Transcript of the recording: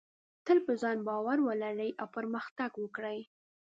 تل په ځان باور ولرئ او پرمختګ وکړئ.